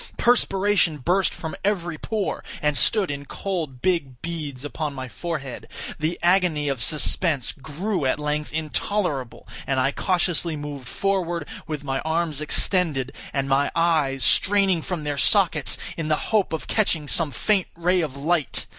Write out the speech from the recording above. Perspiration burst from every pore, and stood in cold big beads upon my forehead. The agony of suspense grew at length intolerable, and I cautiously moved forward, with my arms extended, and my eyes straining from their sockets, in the hope of catching some faint ray of light.